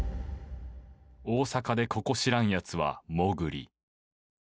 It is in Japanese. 大阪でここ知らんやつはモグリ。